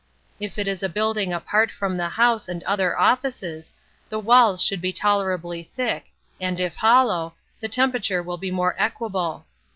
If it is a building apart from the house and other offices, the walls should be tolerably thick, and if hollow, the temperature will be more equable.